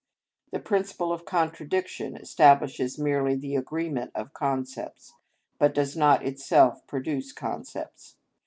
The principle of contradiction establishes merely the agreement of concepts, but does not itself produce concepts.